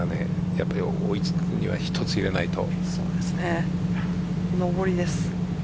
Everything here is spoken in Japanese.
やっぱり追い付くには１つ入れないと。